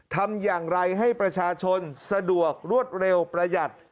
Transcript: ทำอย่างไรให้ประชาชนสะดวกรวดเร็วประหยัด